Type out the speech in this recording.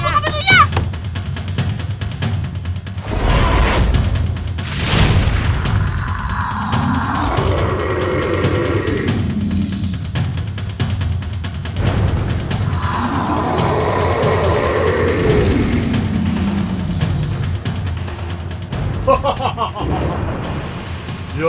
ah buka pintunya